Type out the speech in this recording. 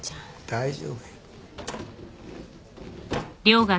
大丈夫や。